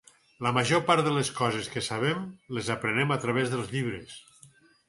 La major part de les coses que sabem, les aprenem a través dels llibres.